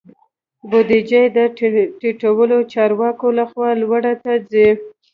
بودیجه د ټیټو چارواکو لخوا لوړو ته ځي.